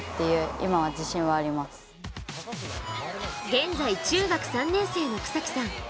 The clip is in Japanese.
現在、中学３年生の草木さん